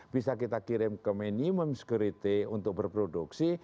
bisa kita kirim ke minimum security untuk berproduksi